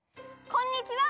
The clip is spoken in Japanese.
こんにちは！